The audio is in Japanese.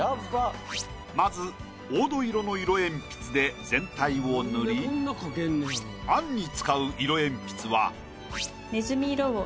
まず黄土色の色鉛筆で全体を塗り餡に使う色鉛筆は。